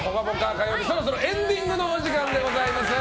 火曜日そろそろエンディングのお時間でございます。